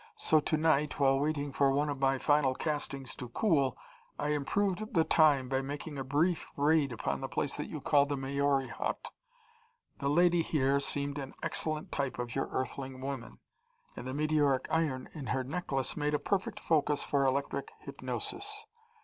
So to night, while waiting for one of my final castings to cool, I improved the time by making a brief raid upon the place that you call the Maori Hut. The lady here seemed an excellent type of your Earthling women, and the meteoric iron in her necklace made a perfect focus for electric hypnosis.